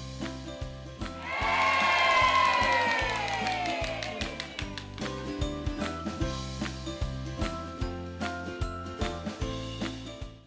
โปรดติดตามตอนต่อไป